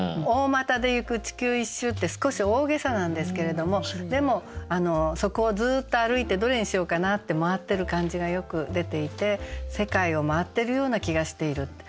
「大股でゆく地球一周」って少し大げさなんですけれどもでもそこをずっと歩いてどれにしようかなって周ってる感じがよく出ていて世界を周っているような気がしている。